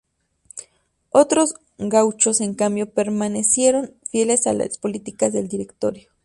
Otros gauchos, en cambio, permanecieron fieles a las políticas del Directorio.